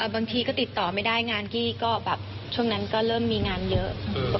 บางทีก็ติดต่อไม่ได้งานกี้ก็แบบช่วงนั้นก็เริ่มมีงานเยอะ